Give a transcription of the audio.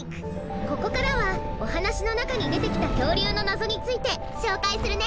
ここからはおはなしのなかにでてきたきょうりゅうのなぞについてしょうかいするね。